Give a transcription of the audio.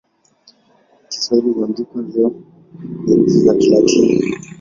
Kiswahili huandikwa leo kwa herufi za Kilatini.